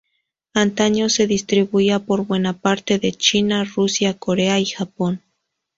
Antaño se distribuía por buena parte de China, Rusia, Corea y Japón.